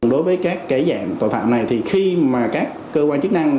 đối với các dạng tội phạm này thì khi mà các cơ quan chức năng